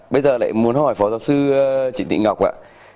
bây giờ lại muốn hỏi phó giáo sư trịnh thị ngọc ạ